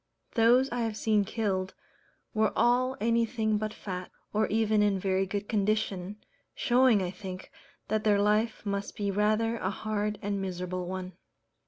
Those I have seen killed, were all anything but fat, or even in very good condition, showing, I think, that their life must be rather a hard and miserable one.